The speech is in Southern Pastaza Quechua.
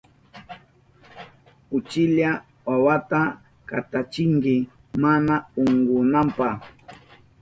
Uchilla wawata katachinki mana unkunanpa.